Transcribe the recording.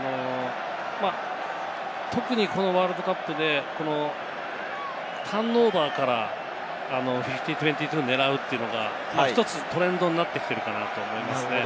特にこのワールドカップでターンオーバーから５０：２２を狙うというのが１つトレンドになってきてるかなと思います。